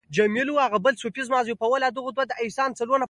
افغان خلک خورا مهربان او مېلمه پال خلک دي